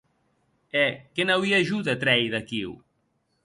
E que n'auia jo de trèir d'aquiu?